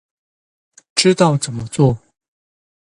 知道怎麼做